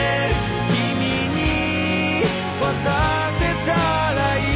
「君に渡せたらいい」